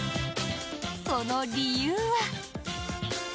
その理由は。